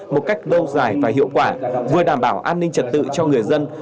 một cách lâu dài và hiệu quả vừa đảm bảo an ninh trật tự cho người dân